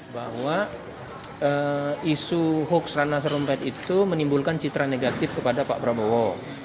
bahwa isu hoax rana sarumpait itu menimbulkan citra negatif kepada pak prabowo